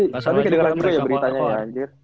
tapi kedengeran lu ya beritanya ya anjir